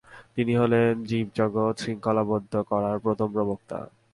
তিনি হলেন জীবজগৎ শৃঙ্খলাবদ্ধ করার প্রথম প্রবক্তা।